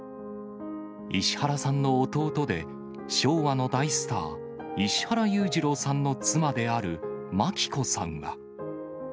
石原さんの弟で、昭和の大スター、石原裕次郎さんの妻であるまき子さんは。